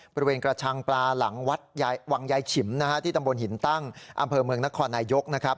บริเวณกระชังปลาหลังวังยายฉิมที่ตำบลหินตั้งอำเภอเมืองนครนายยก